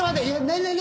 何？